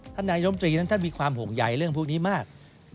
ท่านนายยมทรีย์ท่านมีความห่วงใหญ่เรื่องพวกนี้มาก